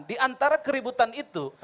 di antara keributan itu